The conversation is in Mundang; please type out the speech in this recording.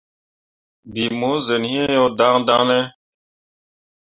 Bii mu zen iŋ yo daŋdaŋ ne ?